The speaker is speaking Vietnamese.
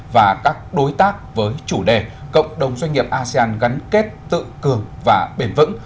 và các đối tác với chủ đề cộng đồng doanh nghiệp asean gắn kết tự cường và bền vững